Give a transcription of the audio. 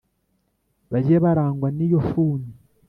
bajye barangwa n'iyo funi